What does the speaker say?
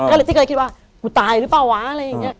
ก็เลยตีก็เลยคิดว่ากูตายหรือเปล่าวะอะไรอย่างนี้